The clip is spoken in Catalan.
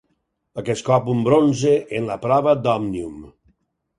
Aquest cop un bronze en la prova d'Òmnium.